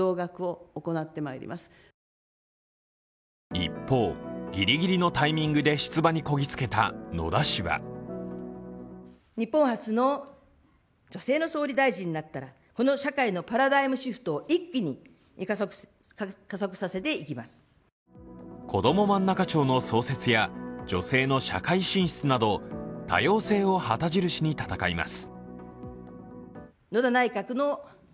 一方、ギリギリのタイミングで出馬にこぎつけた野田氏はこどもまんなか庁の創設や女性の社会進出など多様性を旗印に戦います。